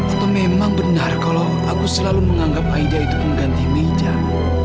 atau memang benar kalau aku selalu menganggap aida itu pengganti meja